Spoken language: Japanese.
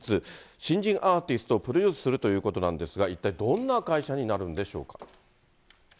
新人アーティストをプロデュースするということなんですが、一体どんな会社になるんでしょうか。